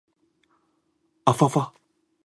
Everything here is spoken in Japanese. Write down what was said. あふぁふぁ